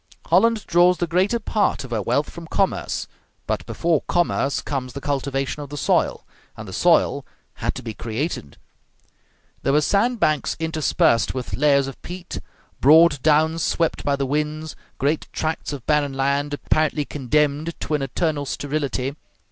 Holland draws the greater part of her wealth from commerce; but before commerce comes the cultivation of the soil; and the soil had to be created. There were sand banks interspersed with layers of peat, broad downs swept by the winds, great tracts of barren land apparently condemned to an eternal sterility.